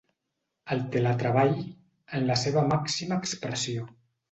El teletreball, en la seva màxima expressió.